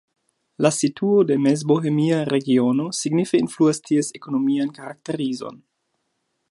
La situo de Mezbohemia Regiono signife influas ties ekonomian karakterizon.